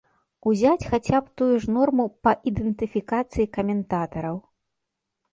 Узяць хаця б тую ж норму па ідэнтыфікацыі каментатараў.